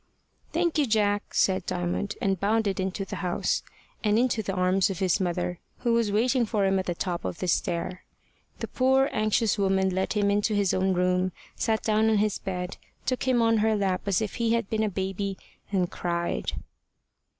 "Thank you, Jack," said Diamond, and bounded into the house, and into the arms of his mother, who was waiting him at the top of the stair. The poor, anxious woman led him into his own room, sat down on his bed, took him on her lap as if he had been a baby, and cried.